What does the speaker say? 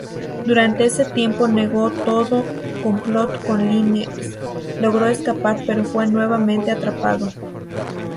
Durante ese tiempo negó todo complot con Liniers, logró escapar pero fue nuevamente atrapado.